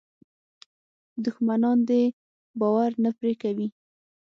دښمنان دې باور نه پرې کوي.